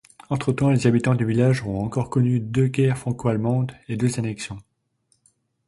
Entre-temps, les habitants du village auront encore connu deux guerres franco-allemandes et deux annexions.